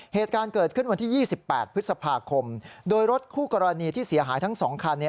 เหตุการณ์เกิดขึ้นวันที่๒๘พฤษภาคมโดยรถคู่กรณีที่เสียหายทั้งสองคันเนี่ย